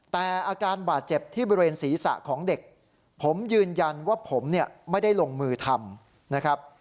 แต่อาการบาดเจ็บที่บริเวณศีรษะของเด็กผมยืนยันว่าผมเนี่ยไม่ได้ลงมือทำนะครับ